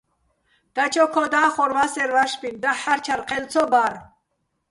დაჩო ქო და́ხორ ვასერვ ვაშბინ, დაჰ̦ ჰ̦არჩარ ჴელ ცო ბარ.